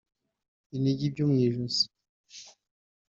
inigi byo mu ijosi